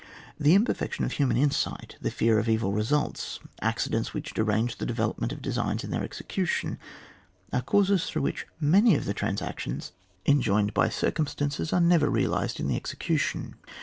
The imperfection of human insight, the fear of evil results, acci dents which derange the development of designs in their execution, are causes through which many of the transactions 191 ON ITAR, [boos VI. enjoined by circumstances are never re alised in the execution.